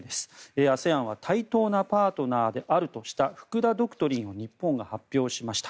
ＡＳＥＡＮは対等なパートナーであるとした福田ドクトリンを日本が発表しました。